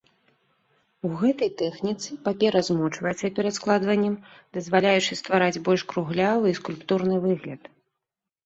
У гэтай тэхніцы папера змочваецца перад складваннем, дазваляючы ствараць больш круглявы і скульптурны выгляд.